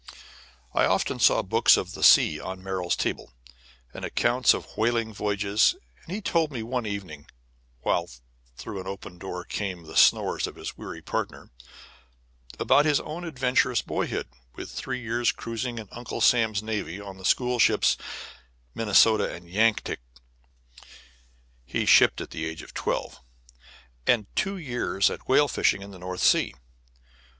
I often saw books of the sea on Merrill's table, and accounts of whaling voyages; and he told me, one evening (while through an open door came the snores of his weary partner), about his own adventurous boyhood, with three years' cruising in Uncle Sam's navy on the school ships Minnesota and Yantic (he shipped at the age of twelve) and two years at whale fishing in the North Sea.